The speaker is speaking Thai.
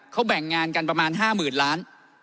เขาแบ่งงานกันประมาณ๕๐๐๐ล้าน